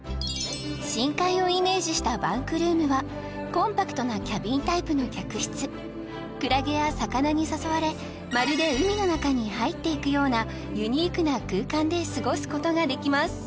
深海をイメージしたバンクルームはコンパクトなキャビンタイプの客室クラゲや魚に誘われまるで海の中に入っていくようなユニークな空間で過ごすことができます